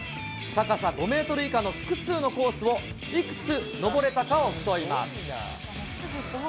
高さ５メートル以下の複数のコースを、いくつ登れたかを競います。